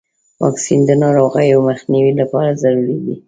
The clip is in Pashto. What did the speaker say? واکسین د ناروغیو مخنیوي لپاره ضروري دی.